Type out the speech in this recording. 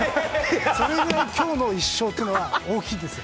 それほどきょうの１勝っていうのは大きいですよ。